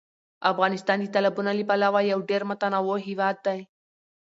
افغانستان د تالابونو له پلوه یو ډېر متنوع هېواد دی.